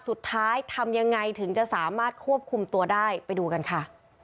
ทำยังไงถึงจะสามารถควบคุมตัวได้ไปดูกันค่ะ